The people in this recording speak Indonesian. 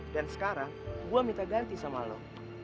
dan sekarang gue minta ganti sama lo